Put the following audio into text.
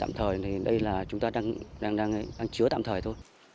tạm thời thì đây là chúng ta đang chứa tạm thời thôi